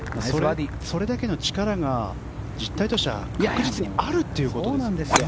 それだけの力が確実にあるということですね。